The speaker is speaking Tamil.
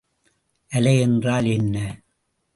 அலை என்றால் என்ன?